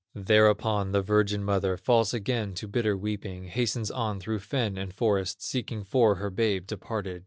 Thereupon the virgin mother Falls again to bitter weeping, Hastens on through fen and forest, Seeking for her babe departed.